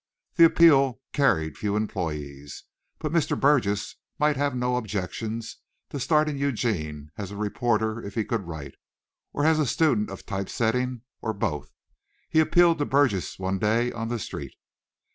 The Appeal carried few employees, but Mr. Burgess might have no objections to starting Eugene as a reporter if he could write, or as a student of type setting, or both. He appealed to Burgess one day on the street.